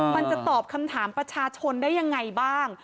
มันจะตอบคำถามประชาชนได้ยังไงบ้าง